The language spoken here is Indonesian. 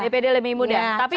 dpd lebih mudah